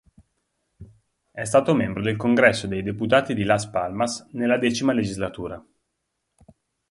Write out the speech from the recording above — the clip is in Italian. È stato membro del congresso dei deputati di Las Palmas nella decima legislatura.